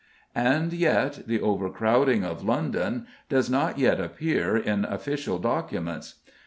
And yet the overcrowding in London does not appear in official documents.